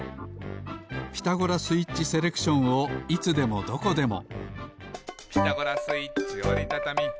「ピタゴラスイッチ」セレクションをいつでもどこでも。